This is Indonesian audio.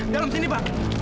dalam sini pak